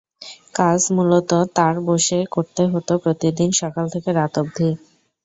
কাজ মূলত তাঁর বাসায় বসে করতে হতো প্রতিদিন সকাল থেকে রাত অবধি।